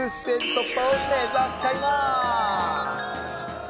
突破を目指しちゃいます。